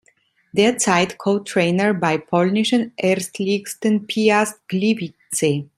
Derzeit Co-Trainer bei polnischen Erstligisten Piast Gliwice.